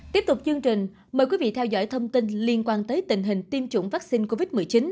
tiếp tục chương trình mời quý vị theo dõi thông tin liên quan tới tình hình tiêm chủng vaccine covid một mươi chín